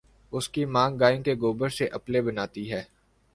اس کی ماں گائےکے گوبر سے اپلے بناتی ہے